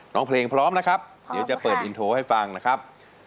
น้องเพลงพร้อมนะครับเดี๋ยวจะเปิดอินโทรให้ฟังนะครับ